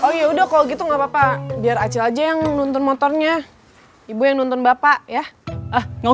oh ya udah kalau gitu nggak apa apa biar acil aja yang nonton motornya ibu yang nonton bapak ya